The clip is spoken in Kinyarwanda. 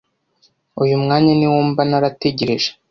uyu mwanya niwo mba narategereje